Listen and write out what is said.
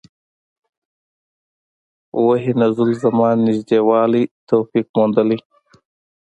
وحي نزول زمان نژدې والی توفیق موندلي.